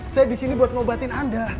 saya disini buat ngebatin anda